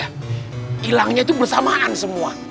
hilangnya tuh bersamaan semua